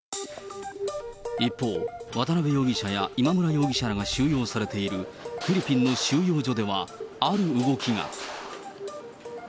一方、渡辺容疑者や今村容疑者らが収容されているフィリピンの収容所では、ある動きが。